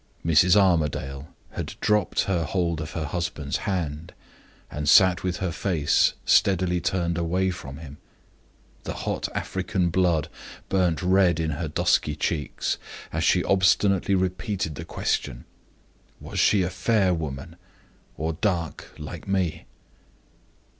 Mrs. Armadale had dropped her hold of her husband's hand, and sat with her face steadily turned away from him The hot African blood burned red in her dusky cheeks as she obstinately repeated the question: "Was she a fair woman, or dark, like me?"